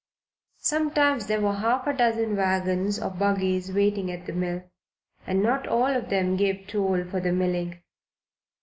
Sometimes there were half a dozen wagons or buggies waiting at the mill, and not all of them gave toll for their milling.